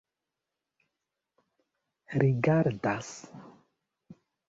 rigardas